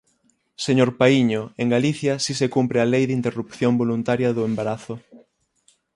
Señor Paíño, en Galicia si se cumpre a Lei de interrupción voluntaria do embarazo.